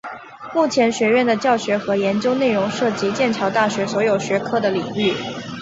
目前学院的教学和研究内容涉及剑桥大学所有学科的领域。